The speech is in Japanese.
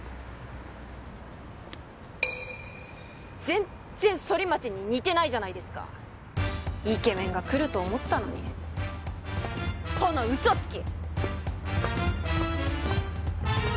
全然反町に似てないじゃないですかイケメンが来ると思ったのにこの嘘つき！